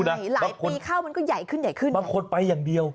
หลายปีเข้ามันก็ใหญ่ขึ้นใหญ่ขึ้นบางคนไปอย่างเดียว